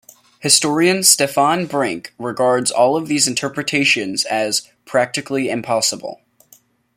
Historian Stefan Brink regards all of these interpretations as "practically impossible".